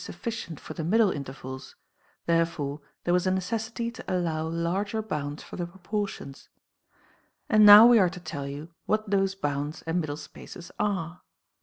343 sufficient for the middle intervals, therefore there was a necessity to allow larger bounds for the proportions. And now we are to tell you what those bounds and middle spaces are.